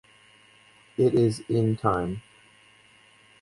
It is in time.